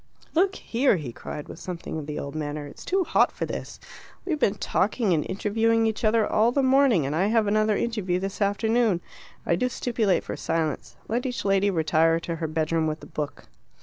"Look here!" he cried, with something of the old manner, "it's too hot for this. We've been talking and interviewing each other all the morning, and I have another interview this afternoon. I do stipulate for silence. Let each lady retire to her bedroom with a book."